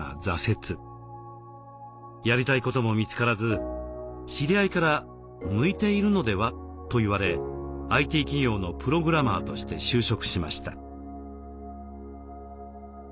やりたいことも見つからず知り合いから「向いているのでは？」と言われＩＴ企業のプログラマーとして就職しました。